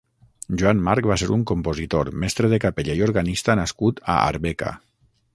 Joan Marc va ser un compositor, mestre de capella i organista nascut a Arbeca.